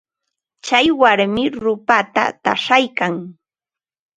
Tsay warmi ruupata taqshaykan.